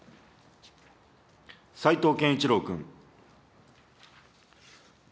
齊藤健一郎君。